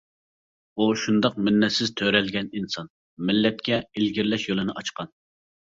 ئۇ شۇنداق مىننەتسىز تۆرەلگەن ئىنسان، مىللەتكە ئىلگىرىلەش يولىنى ئاچقان.